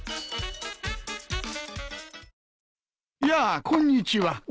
やあこんにちは。